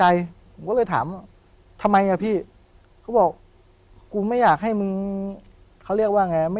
เหมือนกับเขารู้มาก่อนแล้ว